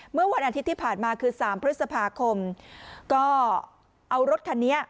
เมื่อวันอาทิตย์ที่ผ่านมาคือ๓พฤษภาคมก็เอารถคันนี้